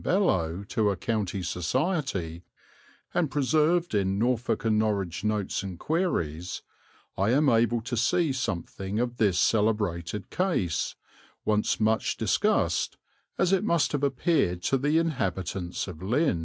Beloe to a county society, and preserved in Norfolk and Norwich Notes and Queries, I am able to see something of this celebrated case, once much discussed, as it must have appeared to the inhabitants of Lynn.